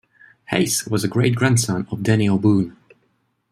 Hays was a great grandson of Daniel Boone.